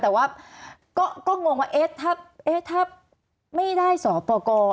แต่ว่าก็งงว่าเอ๊ะถ้าไม่ได้สอปกร